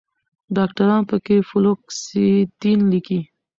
ډاکټران پکښې فلوکسیټين لیکي